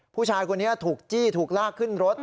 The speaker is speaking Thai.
ผู้ชายคนนี้ถูกจี้ถูกลากขึ้นรถ